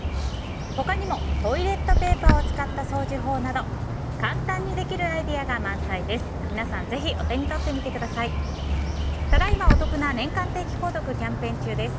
他にも、トイレットペーパーを使った掃除法など簡単にできるアイデアが満載です。